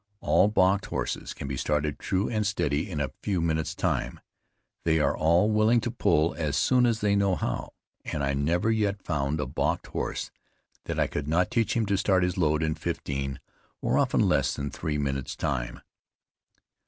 All balked horses can be started true and steady in a few minutes time; they are all willing to pull as soon as they know how, and I never yet found a balked horse that I could not teach him to start his load in fifteen, and often less than three minutes time.